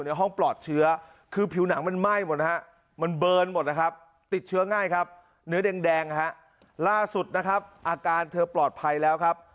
อาการเธอปลอดภัยแล้วครับ